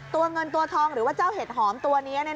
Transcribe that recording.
ตัวเงินตัวทองหรือว่าเจ้าเห็ดหอมตัวนี้